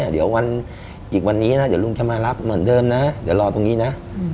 เดี๋ยวอีกวันนี้นะเดี๋ยวลุงจะมารับเหมือนเดิมนะเดี๋ยวรอตรงนี้นะ